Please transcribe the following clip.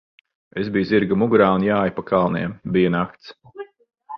Es biju zirga mugurā un jāju pa kalniem. Bija nakts.